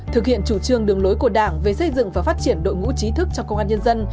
thực hiện chủ trương đường lối của đảng về xây dựng và phát triển đội ngũ trí thức trong công an nhân dân